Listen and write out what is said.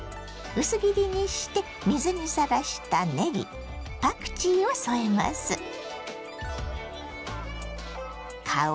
薄切りにして水にさらしたねぎパクチーを添えます。